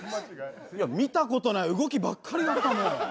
見たことない動きばっかりだった。